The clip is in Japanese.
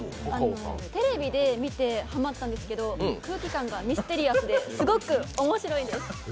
テレビで見てハマったんですけど空気感がミステリアスですごく面白いです。